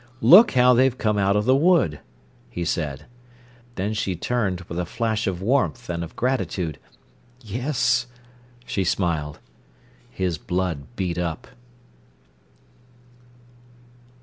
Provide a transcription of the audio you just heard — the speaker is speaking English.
"Look how they've come out of the wood!" he said. Then she turned with a flash of warmth and of gratitude. "Yes," she smiled. His blood beat up.